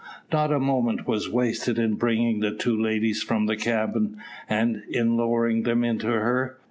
Not a moment was wasted in bringing the two ladies from the cabin, and in lowering them into her.